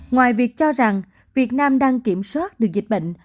ngoài việc cho rằng việt nam đang kiểm soát được dịch bệnh